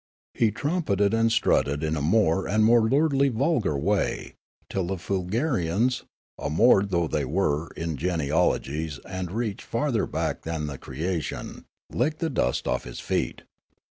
He trumpeted and strutted in a more and more lordlj^ and vulgar way, till the Foolgarians, ar moured though they were in genealogies that reached farther back than the creation , licked the dust off his feet.